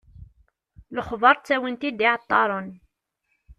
Lexbar, ttawin-t-id iεeṭṭaren.